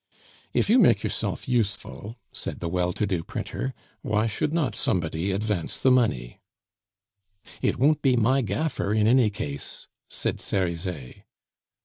"If you make yourself useful," said the well to do printer, "why should not somebody advance the money?" "It won't be my gaffer in any case!" said Cerizet.